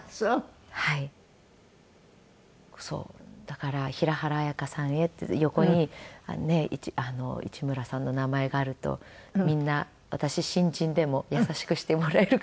だから「平原綾香さんへ」って横にねえ市村さんの名前があるとみんな私新人でも優しくしてもらえるかなと思って。